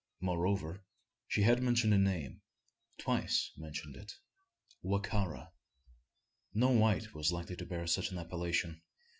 Moreover, she had mentioned a name twice mentioned it "Wa ka ra." No white was likely to bear such an appellation.